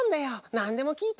なんでもきいて！